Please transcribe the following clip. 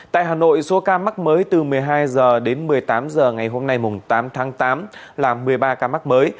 tại hà nội số ca mắc mới từ một mươi hai h đến một mươi tám h ngày hôm nay tám tháng tám là một mươi ba ca mắc mới